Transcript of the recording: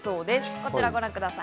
こちらをご覧ください。